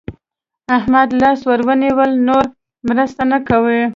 احمد لاس ور ونيول؛ نور مرسته نه کوي.